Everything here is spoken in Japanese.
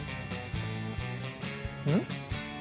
うん？